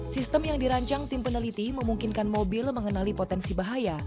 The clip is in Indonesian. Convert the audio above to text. sistem yang dirancang tim peneliti memungkinkan mobil mengenali potensi bahaya